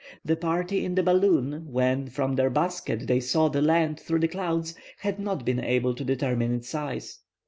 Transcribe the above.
The party in the balloon, when from their basket they saw the land through the clouds, had not been able to determine its size.